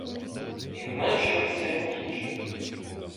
І нащо оця ніч?